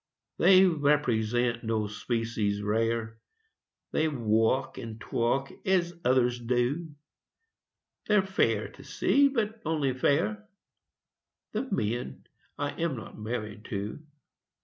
They represent no species rare, They walk and talk as others do; They're fair to see but only fair The men I am not married to.